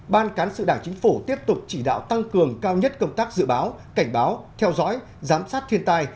một ban cán sự đảng chính phủ tiếp tục chỉ đạo tăng cường cao nhất công tác dự báo cảnh báo theo dõi giám sát thiên tai